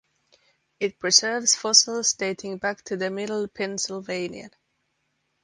It preserves fossils dating back to the middle Pennsylvanian.